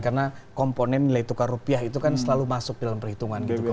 karena komponen nilai tukar rupiah itu kan selalu masuk dalam perhitungan gitu